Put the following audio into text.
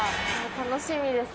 楽しみです